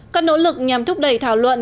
các nỗ lực nhằm thúc đẩy thảo luận